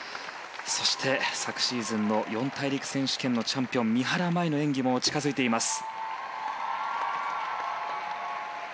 そして、昨シーズンの四大陸選手権のチャンピオン三原舞依の演技も近づいています。